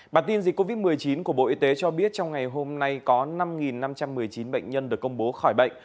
bản tin dịch covid một mươi chín của bộ y tế cho biết trong ngày hôm nay có năm năm trăm một mươi chín bệnh nhân được công bố khỏi bệnh